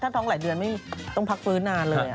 ถ้าท้องหลายเดือนไม่ต้องพักฟื้นนานเลย